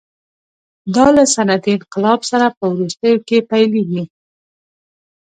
دا له صنعتي انقلاب سره په وروستیو کې پیلېږي.